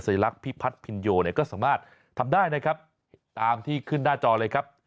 ลักษ์พิพัฒน์พินโยเนี่ยก็สามารถทำได้นะครับตามที่ขึ้นหน้าจอเลยครับ